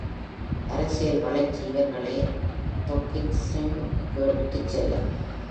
அரசியல் வளர்ச்சி அவர்களை Trotskyism-க்கு இட்டுச் செல்லும்.